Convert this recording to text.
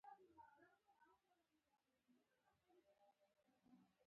ازتکیانو پیسې او د لیک لیکلو امکانات هم لرل.